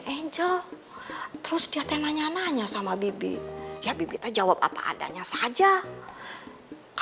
angel terus terserah taruh ke kedua tempat tolong kita jalan ke tempat terang naos nah berapa